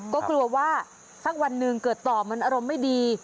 ก็กลัวว่าสักวันหนึ่งเกิดต่อมันอารมณ์ไม่ดี